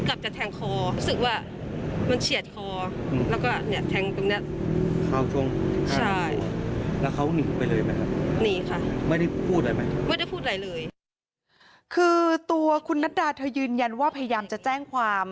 คือตัวคุณนัดดาเธอยืนยันว่าพยายามจะแจ้งความ